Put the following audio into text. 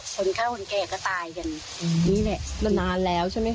คนเท่าคนแก่ก็ตายกันนี่แหละนานแล้วใช่ไหมค